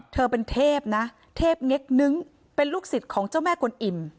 เธอเป็นเทพนะเทพเง็กนึงเป็นลูกศิษย์ของเจ้าแม่กวนอิ่ม